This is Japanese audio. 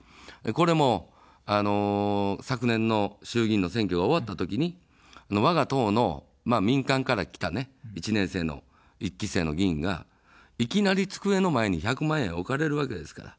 これも、昨年の衆議院の選挙が終わったときに、わが党の民間から来た１年生の１期生の議員がいきなり机の前に１００万円置かれるわけですから。